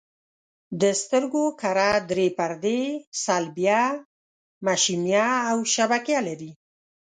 د سترګو کره درې پردې صلبیه، مشیمیه او شبکیه لري.